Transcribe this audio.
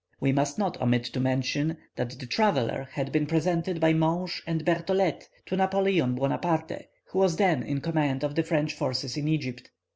We must not omit to mention that the traveller had been presented by Monge and Berthollet to Napoleon Buonaparte, who was then in command of the French forces in Egypt.